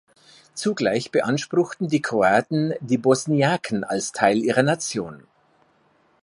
Zugleich beanspruchten die Kroaten die Bosniaken als Teil ihrer Nation.